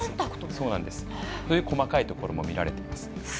細かいところも見られています。